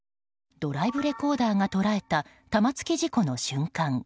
ドライブレコーダーが捉えた玉突き事故の瞬間。